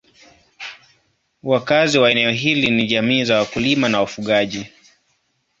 Wakazi wa eneo hili ni jamii za wakulima na wafugaji.